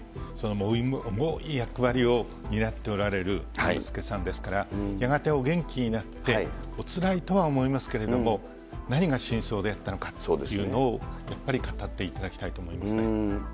重い役割を担っておられる猿之助さんですから、やがてお元気になって、おつらいとは思いますけれども、何が真相であったのかというのを、やっぱり語っていただきたいと思うーん。